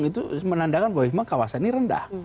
itu menandakan bahwa memang kawasan ini rendah